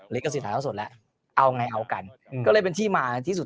ลิขสิทธาเท่าสดแล้วเอาไงเอากันก็เลยเป็นที่มาที่สุด